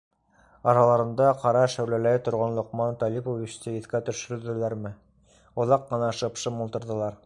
Араларында ҡара шәүләләй торған Лоҡман Талиповичты иҫкә төшөрҙөләрме - оҙаҡ ҡына шып-шым ултырҙылар.